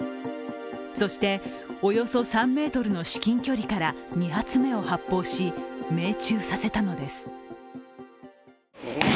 そして、およそ３ｍの至近距離から２発目を発砲し、命中させたのです。